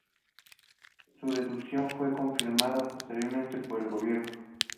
Su deserción fue confirmada posteriormente por el gobierno.